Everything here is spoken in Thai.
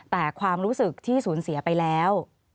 แต่ความรู้สึกที่สูญเสียไปแล้ว